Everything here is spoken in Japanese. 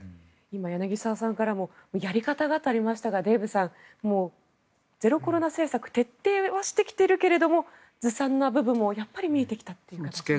今、柳澤さんからもやり方がとありましたがデーブさん、ゼロコロナ政策徹底はしてきているけどもずさんな部分もやっぱり見えてきたということですね。